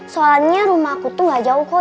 soalnya rumah aku tuh gak jauh kok